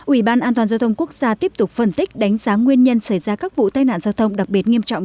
ủy ban an toàn giao thông quốc gia tiếp tục phân tích đánh giá nguyên nhân xảy ra các vụ tai nạn giao thông đặc biệt nghiêm trọng